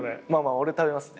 俺食べますね。